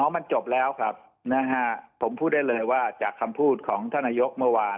มันจบแล้วครับนะฮะผมพูดได้เลยว่าจากคำพูดของท่านนายกเมื่อวาน